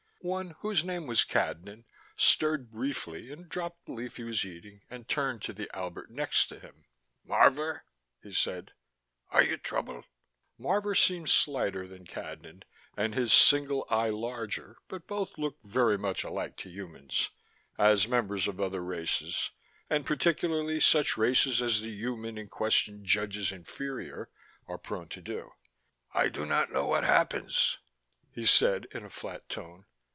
One, whose name was Cadnan, stirred briefly and dropped the leaf he was eating and turned to the Albert next to him. "Marvor," he said. "Are you troubled?" Marvor seemed slighter than Cadnan, and his single eye larger, but both looked very much alike to humans, as members of other races, and particularly such races as the human in question judges inferior, are prone to do. "I do not know what happens," he said in a flat tone.